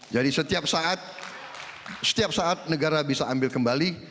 jadi setiap saat negara bisa ambil kembali